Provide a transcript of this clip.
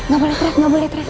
gak boleh trash gak boleh trash